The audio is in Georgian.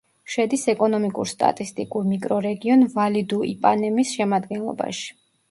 შედის ეკონომიკურ-სტატისტიკურ მიკრორეგიონ ვალი-დუ-იპანემის შემადგენლობაში.